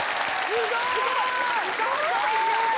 すごい！